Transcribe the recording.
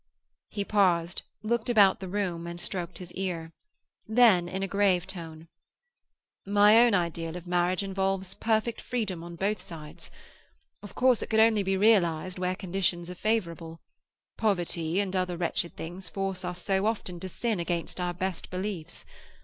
He paused, looked about the room, and stroked his ear. Then, in a grave tone,— "My own ideal of marriage involves perfect freedom on both sides. Of course it could only be realized where conditions are favourable; poverty and other wretched things force us so often to sin against our best beliefs.